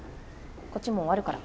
こっちもう終わるから。